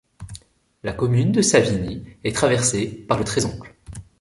La commune de Savigny est traversée par le Trésoncle.